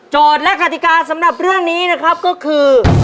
และกติกาสำหรับเรื่องนี้นะครับก็คือ